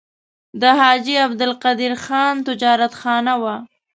د حاجي عبدالقدیر خان تجارتخانه وه.